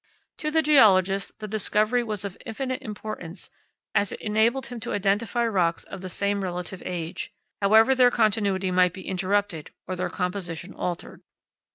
To the geologist the discovery was of infinite importance as it enabled him to identify rocks of the same relative age, however their continuity might be interrupted or their composition altered.